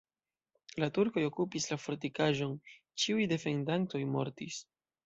La turkoj okupis la fortikaĵon, ĉiuj defendantoj mortis.